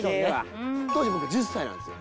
当時僕１０歳なんですよ。